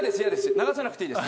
流さなくていいです！